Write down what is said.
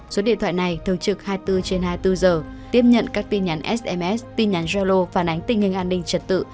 số điện thoại này thường trực hai mươi bốn trên hai mươi bốn giờ tiếp nhận các tin nhắn sms tin nhắn giao lô phản ánh tình hình an ninh trật tự